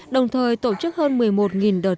đồng thời tổ chức hơn một mươi một đợt